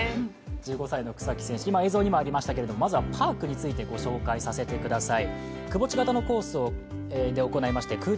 １５歳の草木選手、映像にもありましたが、まずはパークについてご紹介させてください。